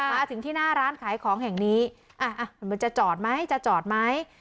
มาถึงที่หน้าร้านขายของแห่งนี้มันจะจอดไหมจะจอดไหม